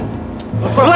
keluar kamu keluar